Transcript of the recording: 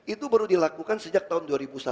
itu baru dilakukan sejak tahun dua ribu satu